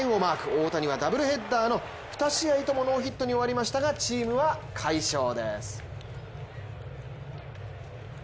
大谷はダブルヘッダーの２試合ともノーヒットに終わりましたがチームは快勝です。